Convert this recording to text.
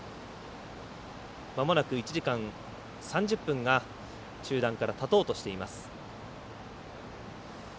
まもなく１時間３０分が中断からたとうとしています。